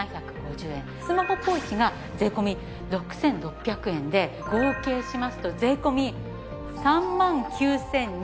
スマホポーチが税込６６００円で合計しますと税込３万９２５０円ですよね。